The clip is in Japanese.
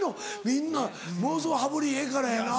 みんなものすごい羽振りええからやな。